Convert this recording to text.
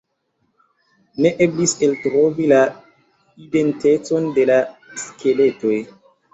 Ne eblis eltrovi la identecon de la skeletoj.